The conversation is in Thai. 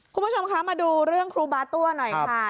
คุณผู้ชมคะมาดูเรื่องครูบาตั้วหน่อยค่ะ